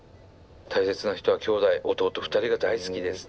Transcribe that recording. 「大切な人はきょうだい弟２人が大好きです」。